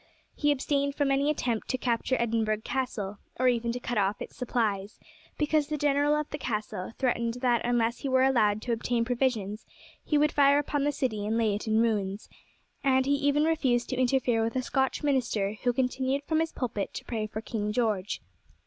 He abstained from any attempt to capture Edinburgh Castle, or even to cut off its supplies, because the general of the castle threatened that unless he were allowed to obtain provisions he would fire upon the city and lay it in ruins, and he even refused to interfere with a Scotch minister who continued from his pulpit to pray for King George.